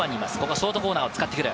ショートコーナーを使ってくる。